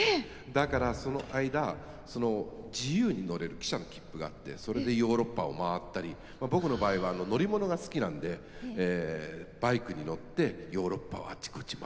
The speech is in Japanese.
だからその間自由に乗れる汽車の切符があってそれでヨーロッパを回ったり僕の場合は乗り物が好きなんでバイクに乗ってヨーロッパをあちこち回ったりと。